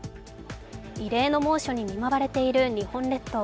異例の猛暑に見舞われている日本列島。